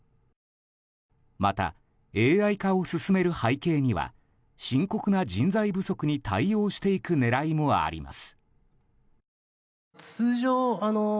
また、ＡＩ化を進める背景には深刻な人材不足に対応していく狙いもあります。